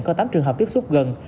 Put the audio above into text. có tám trường hợp tiếp xúc gần